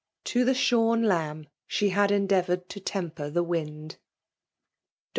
To the shorn lamb she had endeavoured to temper the wind. Dr.